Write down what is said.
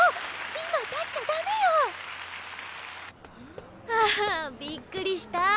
今立っちゃダメよ。ああびっくりした。